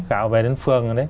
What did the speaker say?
gạo về đến phường rồi đấy